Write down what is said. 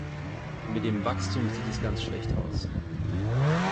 Mit dem Wachstum sieht es ganz schlecht aus.